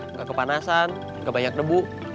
nggak kepanasan nggak banyak nebu